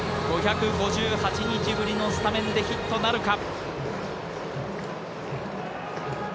５５８日ぶりのスタメンでヒットなるか。